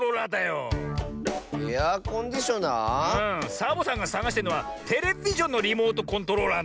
サボさんがさがしてんのはテレビジョンのリモートコントローラーなのに。